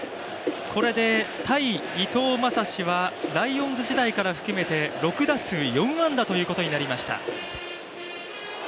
これで対伊藤将司は、ライオンズ時代から含めて６打数４安打ということになりました。